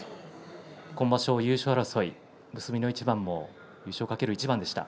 今場所、優勝争い結びの一番優勝を懸ける一番でした。